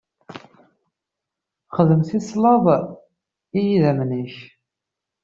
Xdem tislaḍ i idammen-ik.